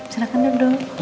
silahkan dong bro